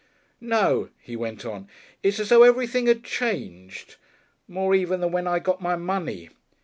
"No," he went on. "It's as though everything 'ad changed. More even than when I got my money.